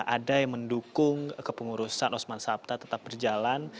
ada yang mendukung kepengurusan osman sabta tetap berjalan